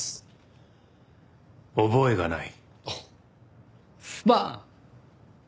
覚えがない。